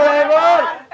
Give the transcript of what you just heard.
pertemanan gue pun